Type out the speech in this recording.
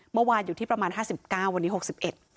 เมื่อวานอยู่ที่ประมาณ๕๙วันนี้๖๑